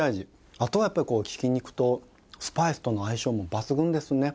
あとはやっぱりこうひき肉とスパイスとの相性も抜群ですね！